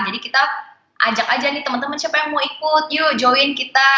jadi kita ajak aja nih temen temen siapa yang mau ikut yuk join kita